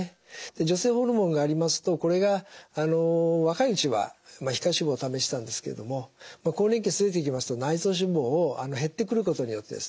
女性ホルモンがありますとこれが若いうちは皮下脂肪ためてたんですけれども更年期過ぎてきますと減ってくることによってですね